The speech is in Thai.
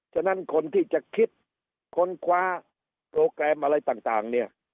ฉะนั้นคนที่จะคิดค้นคว้าโปรแกรมอะไรต่างเนี่ย